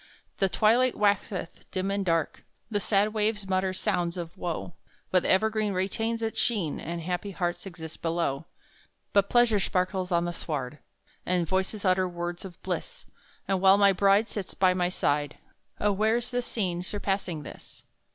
The twilight waxeth dim and dark, The sad waves mutter sounds of woe, But the evergreen retains its sheen, And happy hearts exist below; But pleasure sparkles on the sward, And voices utter words of bliss, And while my bride Sits by my side, Oh, where's the scene surpassing this?